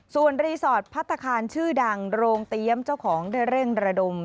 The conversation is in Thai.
ส่วนรีสอร์ทพัฒนาคารชื่อดังโรงเตรียมเจ้าของได้เร่งระดม